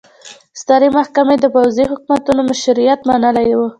سترې محکمې د پوځي حکومتونو مشروعیت منلی و.